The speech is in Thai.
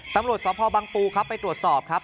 ตำรวจสพบังปูครับไปตรวจสอบครับ